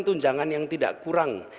tunjangan yang tidak kurang